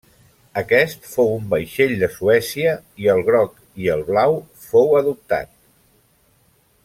Aquest fou un vaixell de Suècia, i el groc i el blau fou adoptat.